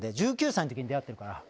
１９歳の時に出会ってるから。